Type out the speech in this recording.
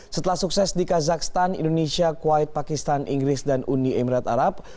setelah sukses di kazakhstan indonesia kuwait pakistan inggris dan uni emirat arab